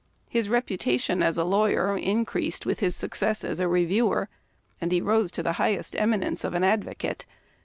His reputation as a lawyer in creased with his success as a reviewer, and he rose to the highest eminence of an advocate.